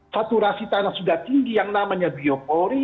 saturasi tanah sudah tinggi yang namanya biopori